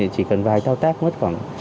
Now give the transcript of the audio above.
chỉ cần vài thao tác mất khoảng